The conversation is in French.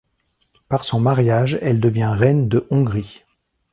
Par son mariage, elle devient reine de Hongrie.